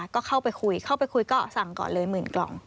ก็เข้าไปคุยก็สั่งก่อนเลยหมื่นกล่อง